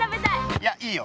いやいいよ。